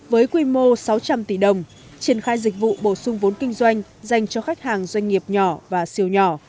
với quy mô sáu trăm linh tỷ đồng triển khai dịch vụ bổ sung vốn kinh doanh dành cho khách hàng doanh nghiệp nhỏ và siêu nhỏ